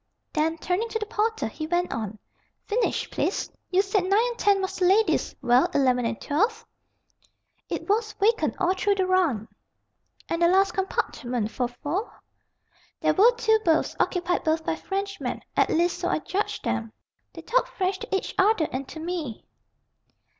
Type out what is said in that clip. Then, turning to the porter, he went on. "Finish, please. You said 9 and 10 was the lady's. Well, 11 and 12?" "It was vacant all through the run." "And the last compartment, for four?" "There were two berths, occupied both by Frenchmen, at least so I judged them. They talked French to each other and to me."